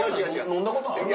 飲んだことある？